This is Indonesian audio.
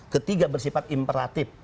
ketiga bersifat imperatif